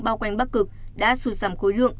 bao quanh bắc cực đã sụt giảm khối lượng